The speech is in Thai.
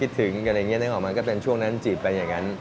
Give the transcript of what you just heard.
ก็ดูถึงกันอะไรอย่างเงี้ยนั่นของมันก็เป็นช่วงนั้นจีบไปอย่างงั้น